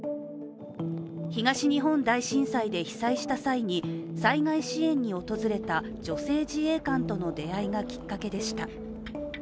東日本大震災で被災した際に災害支援に訪れた女性自衛官との出会いがきっかけでした。